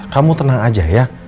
kamu tenang aja ya